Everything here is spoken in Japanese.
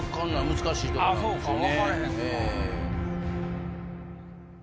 難しいとこなんですよね。